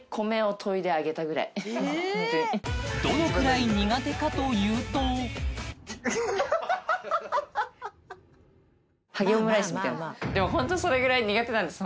どのくらい苦手かというとハゲオムライスみたいでもホントそれぐらい苦手なんです